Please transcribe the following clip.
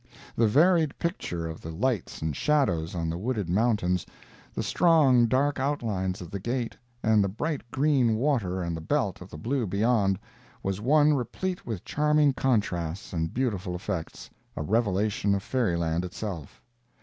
The varied picture of the lights and shadows on the wooded mountains, the strong, dark outlines of the gate, and the bright green water and the belt of blue beyond, was one replete with charming contrasts and beautiful effects—a revelation of fairy land itself.